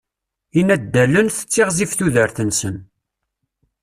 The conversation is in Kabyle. Inaddalen, tettiɣzif tudert-nsen.